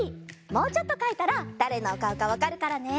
もうちょっとかいたらだれのおかおかわかるからね。